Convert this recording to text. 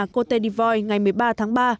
cô tê đi voi ngày một mươi ba tháng ba